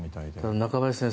中林先生